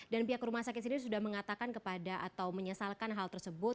dan pihak rumah sakit ini sudah mengatakan kepada atau menyesalkan hal tersebut